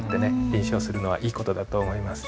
臨書をするのはいい事だと思います。